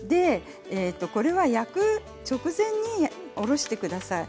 これは焼く直前におろしてください。